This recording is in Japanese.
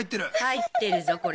入ってるぞこれ。